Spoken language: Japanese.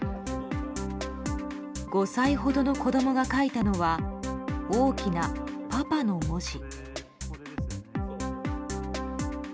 ５歳ほどの子供が書いたのは大きな「パパ」の文字。